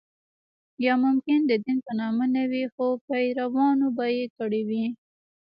یا ممکن د دین په نامه نه وي خو پیروانو به کړې وي.